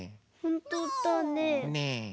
ほんとだね。